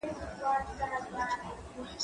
هغه وويل چي انځور روښانه دی.